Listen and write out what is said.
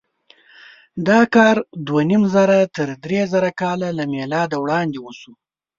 دا کار دوهنیمزره تر درېزره کاله له مېلاده وړاندې وشو.